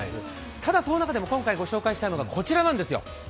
ただ、その中でも今回ご紹介したいのが、こちらなんですよ。